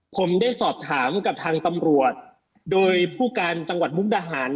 ผมได้สอบถามกับทางตำรวจโดยผู้การจังหวัดมุกดาหาร